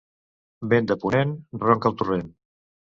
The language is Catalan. Vent de ponent, ronca el torrent.